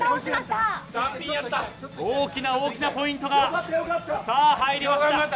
大きな大きなポイントが入りました。